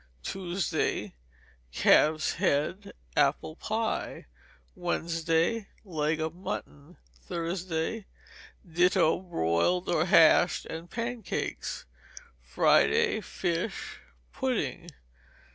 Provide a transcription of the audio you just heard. Tuesday Calf's head, apple pie. Wednesday Leg of mutton. Thursday Ditto broiled or hashed, and pancakes. Friday Fish, pudding.